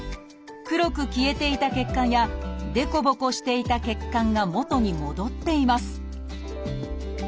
黒く消えていた血管や凸凹していた血管が元に戻っています